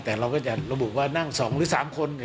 แต่เราก็จะระบุว่านั่ง๒หรือ๓คน